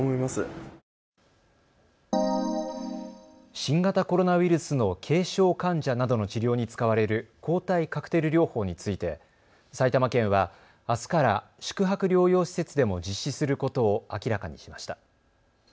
新型コロナウイルスの軽症患者などの治療に使われる抗体カクテル療法について埼玉県はあすから宿泊療養施設でも実施することを明らかにしました。